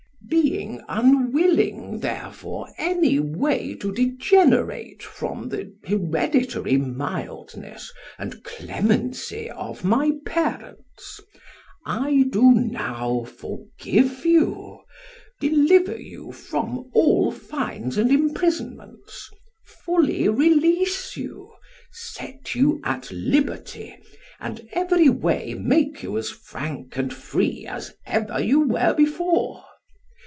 Being unwilling therefore any way to degenerate from the hereditary mildness and clemency of my parents, I do now forgive you, deliver you from all fines and imprisonments, fully release you, set you at liberty, and every way make you as frank and free as ever you were before.